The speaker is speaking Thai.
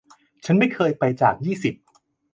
ฉันไม่เคยไปจากยี่สิบ